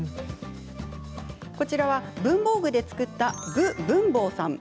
こちらは、文房具で作った「具文房」さん。